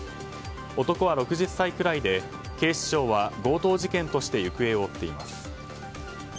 男は６０歳くらいで警視庁は強盗事件として行方を追っています。